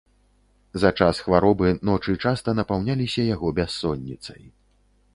За час хваробы ночы часта напаўняліся яго бяссонніцай.